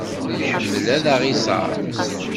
Iḥemmel ad aɣ-iẓer.